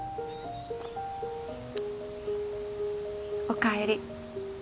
おかえり。